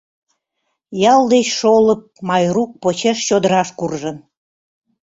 Ял деч шолып Майрук почеш чодыраш куржын.